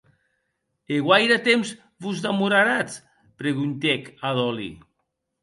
E guaire temps vos demoraratz, preguntèc a Dolly.